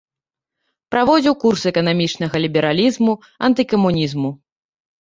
Праводзіў курс эканамічнага лібералізму, антыкамунізму.